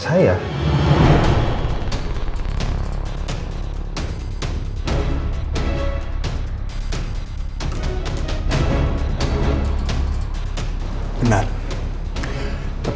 tapi lebih tepatnya pak